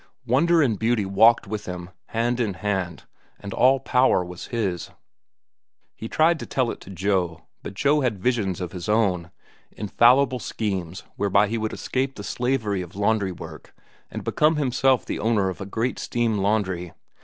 Wonder and beauty walked with him, hand in hand, and all power was his. He tried to tell it to Joe, but Joe had visions of his own, infallible schemes whereby he would escape the slavery of laundry work and become himself the owner of a great steam laundry.